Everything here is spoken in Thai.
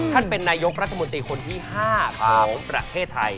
ท่านเป็นนายกรัฐมนตรีคนที่๕ของประเทศไทย